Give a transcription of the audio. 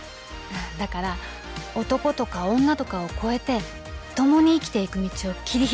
だから男とか女とかを超えて共に生きていく道を切り開いていきたい。